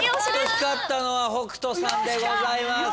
光ったのは北斗さんでございます。